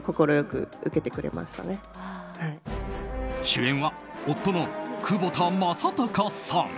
主演は夫の窪田正孝さん。